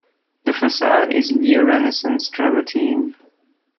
The facade is neo-Renaissance travertine.